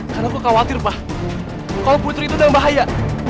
karena aku khawatir pak kalau putri itu dengan bahaya